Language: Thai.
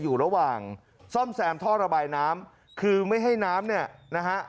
อยู่ระหว่างซ่อมแซมท่อระบายน้ำคือไม่ให้น้ำเนี่ยนะฮะ